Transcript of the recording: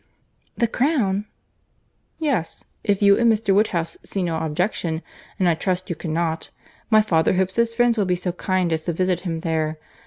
"The Crown!" "Yes; if you and Mr. Woodhouse see no objection, and I trust you cannot, my father hopes his friends will be so kind as to visit him there.